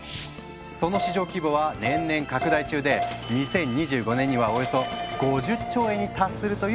その市場規模は年々拡大中で２０２５年にはおよそ５０兆円に達するという予測もあるんです。